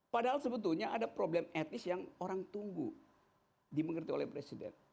padahal sebetulnya ada problem etnis yang orang tunggu dimengerti oleh presiden